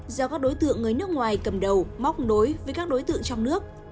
do các đối tượng người nước ngoài cầm đầu móc nối với các đối tượng trong nước